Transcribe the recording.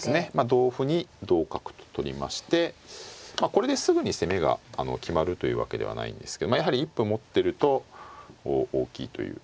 同歩に同角と取りましてこれですぐに攻めが決まるというわけではないんですけどやはり一歩持ってると大きいということでしょうね。